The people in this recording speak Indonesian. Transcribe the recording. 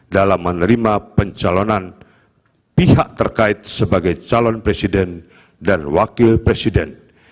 dalam menerima pencalonan pihak terkait sebagai calon presiden dan wakil presiden